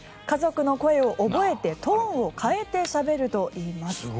家族の声を覚えてトーンを変えてしゃべるといいます。